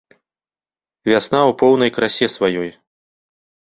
Вясна ў поўнай красе сваёй.